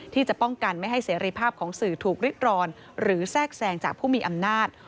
ที่จะป้องกันไม่ให้เสรีภาพของสื่อถูกริดร้อนหรือแทรกแทรงจากผู้มีอำนาจ